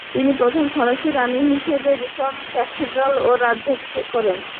তিনি প্রথম ফরাসি রাণি হিসেবে রিমস ক্যাথেড্রাল এ রাজ্যাভিষেক করেন।